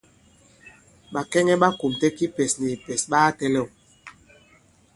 Bàkɛŋɛ ɓa kùmtɛ kipɛs ni kìpɛ̀s ɓa katɛ̄lɛ̂w.